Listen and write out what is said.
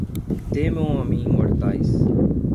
Temam a mim, mortais